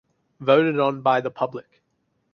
Voted on by the public.